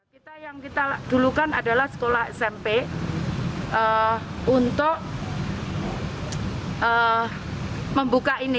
kita yang kita dulukan adalah sekolah smp untuk membuka ini